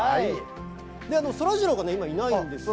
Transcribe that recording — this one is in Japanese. そらジローが今、いないんです。